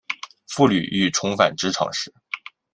妇女欲重返职场时